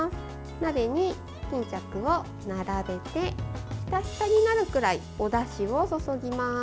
鍋に巾着を並べてひたひたになるくらいおだしを注ぎます。